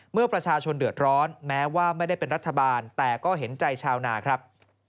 เมื่อประชาชนเดือดร้อนแม้ว่าไม่ได้เป็นรัฐบาลแต่ก็เห็นใจชาวนาครับ